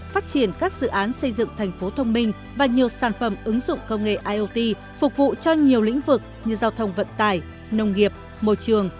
phát triển các dự án xây dựng thành phố thông minh và nhiều sản phẩm ứng dụng công nghệ iot phục vụ cho nhiều lĩnh vực như giao thông vận tải nông nghiệp môi trường